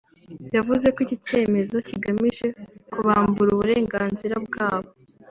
yavuze ko iki cyemezo kigamije kubambura uburenganzira bwabo